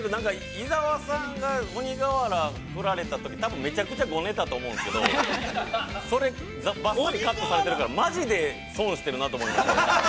◆楽しいですけど、伊沢さん、鬼瓦、振られたとき、多分めちゃくちゃごねたと思うんですけど、それ、ばっさりカットされてるから、マジで損しているなと思います。